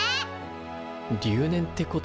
留年ってことか？